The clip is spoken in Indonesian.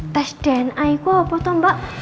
tes dna itu apa tuh mbak